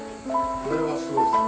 これはすごいですね。